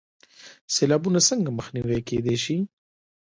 سیلابونه څنګه مخنیوی کیدی شي؟